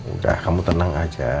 udah kamu tenang aja